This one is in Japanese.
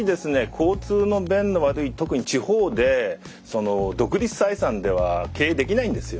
交通の便の悪い特に地方で独立採算では経営できないんですよね。